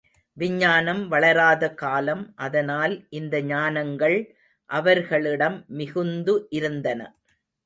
விஞ்ஞானம் வளராத காலம் அதனால் இந்த ஞானங்கள் அவர்களிடம் மிகுந்து இருந்தன.